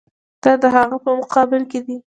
دا د هغه په مقابل کې دي.